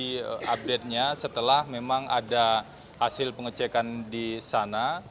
dari update nya setelah memang ada hasil pengecekan di sana